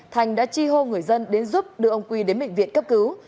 thành đã chi hô người dân đến giúp đưa ông quy đến bệnh viện cấp cứu